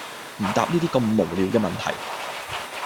唔答呢啲咁無聊嘅問題